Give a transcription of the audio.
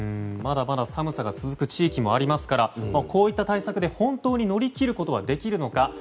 まだまだ寒さが続く地域もありますからこういった対策で本当に乗り切ることができるのか